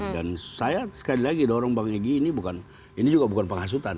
dan saya sekali lagi dorong bang egy ini bukan ini juga bukan penghasutan